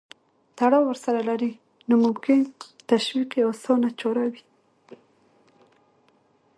تړاو ورسره لري نو ممکن تشویق یې اسانه چاره وي.